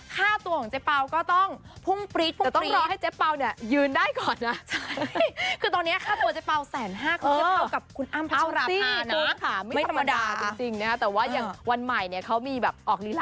ค่าตัวของเจ๊เปล่าก็ต้องพุ่งปรี๊ดพุ่งแต่ต้องรอให้เจ๊เป่าเนี่ยยืนได้ก่อนนะ